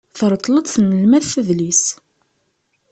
Terḍel-d tnelmadt adlis.